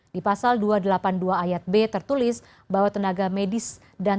di pasal dua ratus delapan puluh dua ayat b tertulis bahwa tenaga medis dan